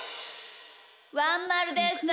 ワンまるでした。